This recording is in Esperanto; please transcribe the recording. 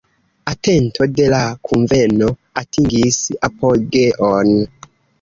Atento de la kunveno atingis apogeon.